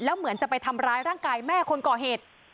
แล้วเหมือนจะไปทำร้ายร่างกายแม่คนก่อเหตุ